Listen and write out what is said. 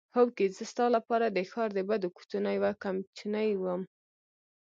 هوکې زه ستا لپاره د ښار د بدو کوڅو نه یوه کمچنۍ وم.